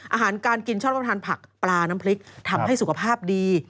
อาหารการกินชอบทานผักปลาน้ำพริกทำให้สุขภาพดี